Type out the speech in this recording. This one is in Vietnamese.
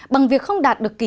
bằng việc không đạt được các bạn